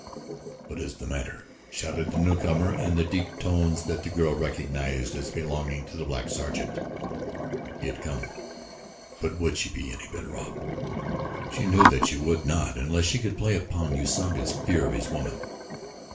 "What is the matter?" shouted the newcomer in the deep tones that the girl recognized as belonging to the black sergeant. He had come, but would she be any better off? She knew that she would not unless she could play upon Usanga's fear of his woman.